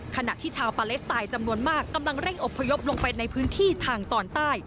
ขณะที่ชาวปาเลสไตน์จำนวนมากกำลังเร่งอบพยพลงไปในพื้นที่ทางตอนใต้